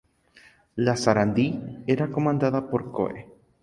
La "Sarandí" era comandada por Coe.